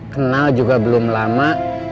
kenal juga belum lama